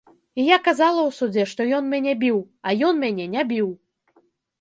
І я казала ў судзе, што ён мяне біў, а ён мяне не біў!